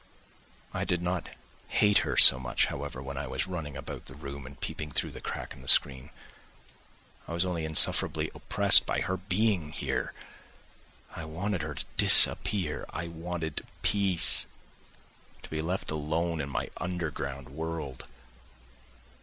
I did not hate her so much, however, when I was running about the room and peeping through the crack in the screen. I was only insufferably oppressed by her being here. I wanted her to disappear. I wanted "peace," to be left alone in my underground world.